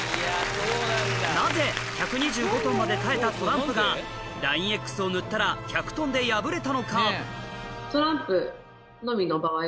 なぜ１２５ｔまで耐えたトランプがＬＩＮＥ−Ｘを塗ったら１００ｔで破れたのか？